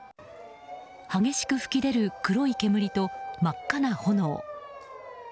激しく噴き出る黒い煙と真っ赤な炎。